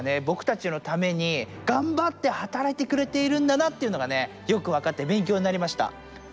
ボクたちのためにがんばって働いてくれているんだなっていうのがねよくわかってべんきょうになりました。